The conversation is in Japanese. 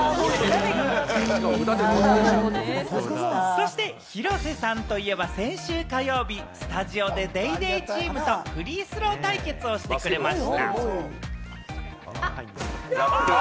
そして広瀬さんといえば、先週火曜日、スタジオでＤａｙＤａｙ．チームとフリースロー対決をしてくれました。